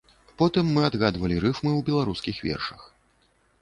Потым мы адгадвалі рыфмы ў беларускіх вершах.